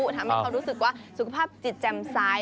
ทำให้เขารู้สึกว่าสุขภาพจิตแจ่มซ้าย